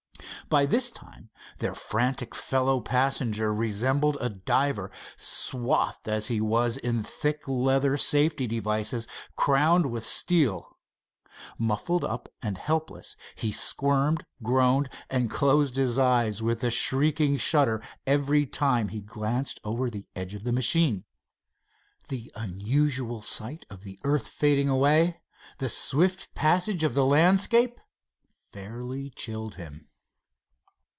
By this time their frantic fellow passenger resembled a diver, swathed as he was in thick leather safety devices crowned with steel. Muffled up and helpless, he squirmed, groaned and closed his eyes with a sickening shudder every time he glanced over the edge of the machine. The unusual sight of the earth fading away, the swift passage of the landscape, fairly chilled him.